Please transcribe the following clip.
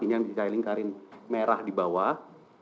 ini yang dikaling karing merah di bawah